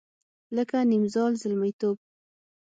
لکه نیمزال زلمیتوب